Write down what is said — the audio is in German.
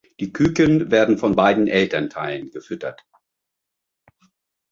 Die Küken werden von beiden Elternteilen gefüttert.